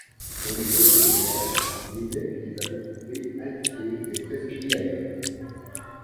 Pour les autres devoirs, l'évêque les avait trouvés indiqués et prescrits ailleurs.